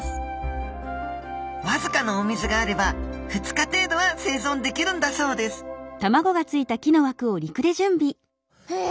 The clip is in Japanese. わずかなお水があれば２日程度は生存できるんだそうですへえ！